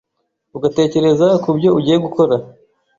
ugatekereza ku byo ugiye gukora